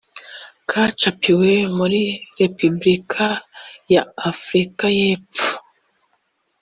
kacapiwe muri repubulika ya afurika y epfo